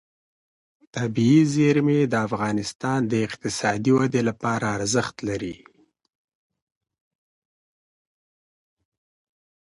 طبیعي زیرمې د افغانستان د اقتصادي ودې لپاره ارزښت لري.